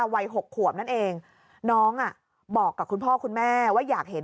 หกขวบนั่นเองน้องอ่ะบอกกับคุณพ่อคุณแม่ว่าอยากเห็น